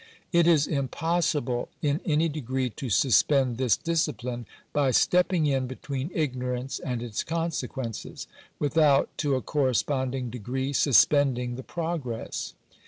It is impossible in any degree to suspend this discipline by stepping in between ignorance and its consequences, without, to a corresponding de gree, suspending the progress.